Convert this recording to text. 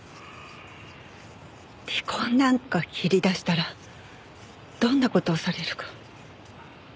離婚なんか切り出したらどんな事をされるか。